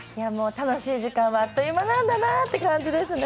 楽しい時間はあっという間なんだなって感じですね。